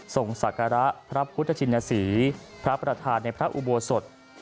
ศักระพระพุทธชินศรีพระประธานในพระอุโบสถ